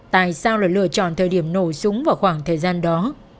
tại sao lại lựa chọn thời điểm nổ súng vào khoảng thời gian đó